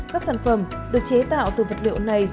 các sản phẩm được chế tạo từ vật liệu này